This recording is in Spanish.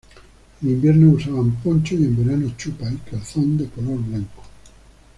En invierno usaban poncho y en verano chupa y calzón de color blanco.